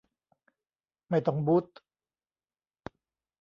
ไม่ต้องบู๊ท